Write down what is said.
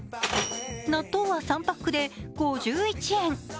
納豆は３パックで５１円。